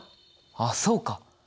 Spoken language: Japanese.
あっそうか！